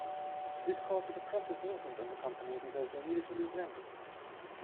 This caused a depressive movement on the company because they needed to lose members.